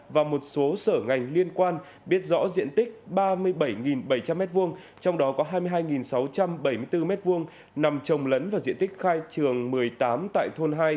và một số sở ngành liên quan biết rõ diện tích ba mươi bảy bảy trăm linh m hai trong đó có hai mươi hai sáu trăm bảy mươi bốn m hai nằm trồng lẫn vào diện tích khai trường một mươi tám tại thôn hai